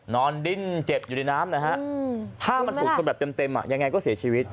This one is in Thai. ดิ้นเจ็บอยู่ในน้ำนะฮะถ้ามันถูกชนแบบเต็มยังไงก็เสียชีวิต